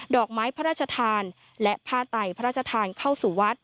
อกไม้พระราชทานและผ้าไตพระราชทานเข้าสู่วัด